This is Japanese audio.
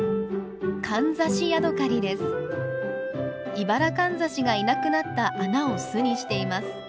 イバラカンザシがいなくなった穴を巣にしています。